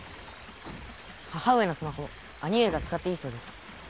母上のスマホ兄上が使っていいそうです。